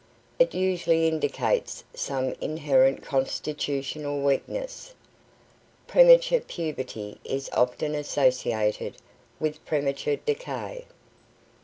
It usually indicates some inherent constitutional weakness. Premature puberty is often associated with premature decay.